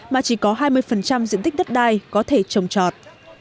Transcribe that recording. mà chỉ có hai mươi diện tích đất đai có thể trồng trọt